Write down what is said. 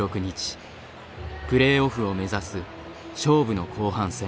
プレーオフを目指す勝負の後半戦。